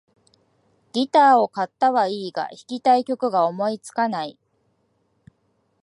ギターを買ったはいいが、弾きたい曲が思いつかない